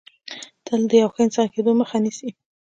تل د یو ښه انسان کېدو مخه نیسي